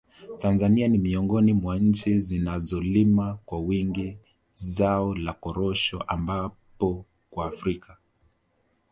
Tanzania ni miongoni mwa nchi zinazolima kwa wingi zao la korosho ambapo kwa Afrika